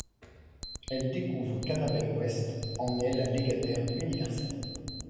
Elle découvre qu'Annabelle West en est la légataire universelle.